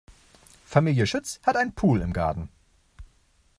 Familie Schütz hat einen Pool im Garten.